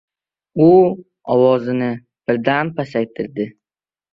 — U ovozini birdan pasaytirdi.